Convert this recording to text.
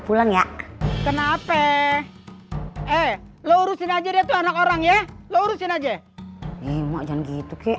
pulang ya kenapa eh lo urusin aja dia tuh anak orang ya lu urusin aja mau jangan gitu kek